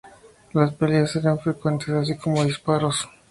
Las peleas eran frecuentes, así como disparos.